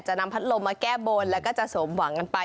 นำพัดลมมาแก้บนแล้วก็จะสมหวังกันไป